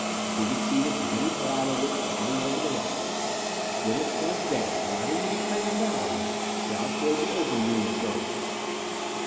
We could see the tiny blob of it bobbing over the rocks. Then it plunged down not into the crater valley, but out toward the open Moon surface.